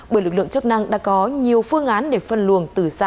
bởi lực lượng chức năng đã có nhiều phương án để phân luồng từ xa